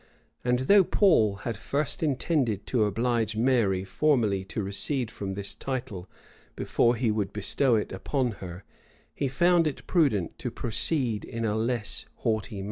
And though Paul had at first intended to oblige Mary formally to recede from this title before he would bestow it upon her, he found it prudent to proceed in a less haughty manner.